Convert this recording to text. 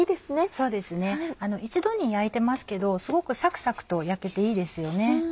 そうですね一度に焼いてますけどすごくサクサクと焼けていいですよね。